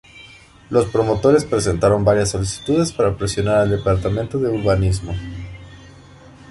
Los promotores presentaron varias solicitudes para presionar al departamento de urbanismo.